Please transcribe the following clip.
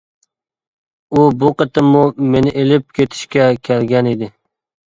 ئۇ بۇ قېتىممۇ مېنى ئېلىپ كېتىشكە كەلگەنىدى.